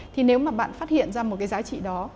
thì nếu mà bạn phát hiện ra một cái giá trị đó